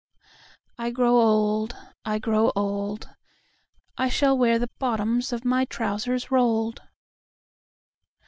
I grow old … I grow old …I shall wear the bottoms of my trousers rolled.